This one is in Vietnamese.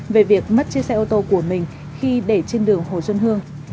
về việc mất chiếc xe ô tô của mình khi để trên đường hồ xuân hương